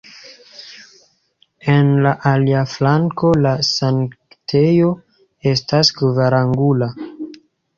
En la alia flanko la sanktejo estas kvarangula.